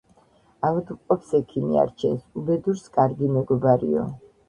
ავადმყოფს, ექიმი არჩენს, უბედურს ─ კარგი მეგობარიო.